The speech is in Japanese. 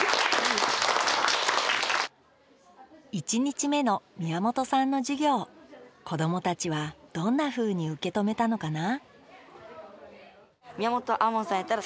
１日目の宮本さんの授業子どもたちはどんなふうに受け止めたのかな？